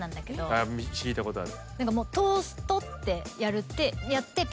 あっ聞いたことある。